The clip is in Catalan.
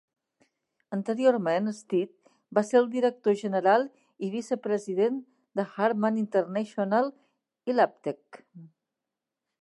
Anteriorment Stead va ser el director general i vicepresident de Harman International i Labtec.